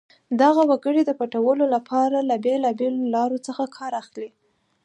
دغه وګړي د پټولو لپاره له بېلابېلو لارو څخه کار اخلي.